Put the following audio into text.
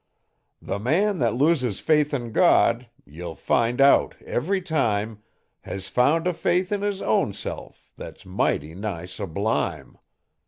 The man that loses faith in God, ye'll find out every time, Has found a faith in his own self that's mighty nigh sublime.